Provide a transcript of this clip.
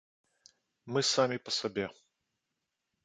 Мы самі па сабе.